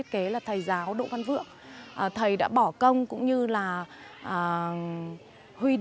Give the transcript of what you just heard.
nếu theo có con gì